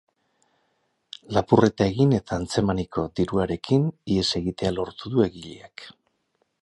Lapurreta egin eta atzemaniko diruarekin ihes egitea lortu du egileak.